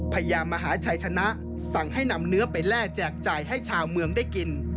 พยายามมหาชัยชนะสั่งให้นำเนื้อไปแล่แจกจ่ายให้ชาวเมืองได้กิน